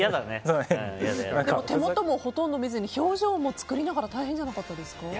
手元もほとんど見ずに表情も作りながら大変じゃなかったですか？